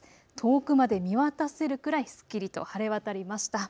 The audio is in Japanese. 遠くまで見渡せるくらいすっきりと晴れ渡りました。